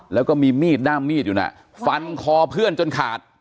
แล้วก็มีมีดด้ามมีดอยู่น่ะฟันคอเพื่อนจนขาด